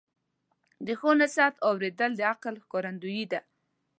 د ښو نصیحت اوریدل د عقل ښکارندویي ده.